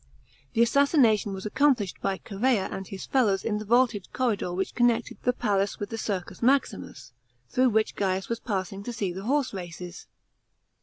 The assassination was accomplished by Chserea and his fellows in the vaulted corridor which connected the palace with the Circus Maximus, through which Gaius was passing to see the horse races.